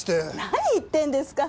何言ってるんですか！